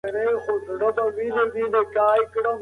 ايا د فقر عوامل د بدلون وړ دي؟